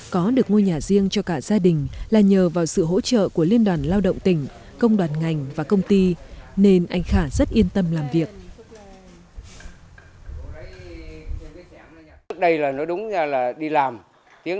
có được ngôi nhà riêng cho cả gia đình là nhờ vào sự hỗ trợ của liên đoàn lao động tỉnh công đoàn ngành và công ty nên anh khả rất yên tâm làm việc